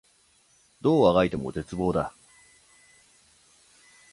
どう足掻いても絶望だ